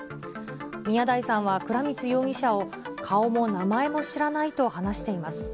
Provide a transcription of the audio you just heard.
宮台さんは、倉光容疑者を顔も名前も知らないと話しています。